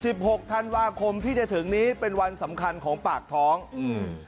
หกธันวาคมที่จะถึงนี้เป็นวันสำคัญของปากท้องอืม